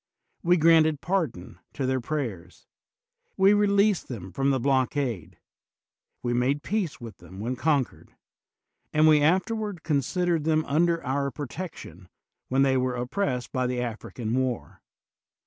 We granted pardon to their pray ers; we released them from the blockade; we made peace with them when conquered; and we afterward considered them under our pro tection when they were oppressed by the Afri can war.